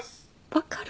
分かる。